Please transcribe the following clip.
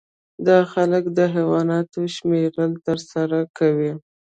دا خلک د حیواناتو شمیرل ترسره کوي